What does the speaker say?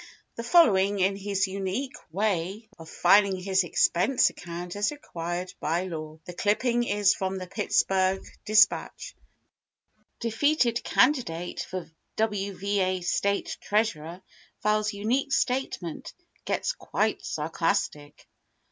The following in his unique way of filing his expense account as required by law: (The clipping is from the "Pittsburgh Dispatch") : BRENNAN IS QUITE A HUMORIST Defeated Candidate for W. Va. State Treas¬ urer Files Unique Statement—Gets Quite Sarcastic.